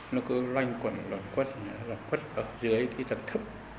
nó cứ loanh quẩn lồng quất lồng quất ở dưới thì thật thấp